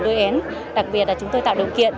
đuôi én đặc biệt là chúng tôi tạo điều kiện